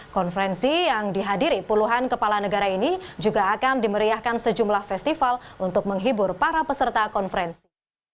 konferensi yang dihadiri puluhan kepala negara ini juga akan dimeriahkan sejumlah festival untuk menghibur para peserta konferensi